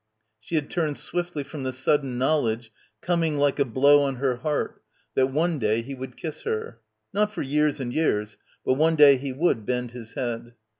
She had turned swiftly from the sud den knowledge coming like a blow on her heart, that one day he would kiss her. Not for years and years. But one day he would bend his head.